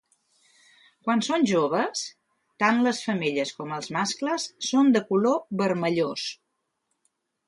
Quan són joves, tant les femelles com els mascles són de color vermellós.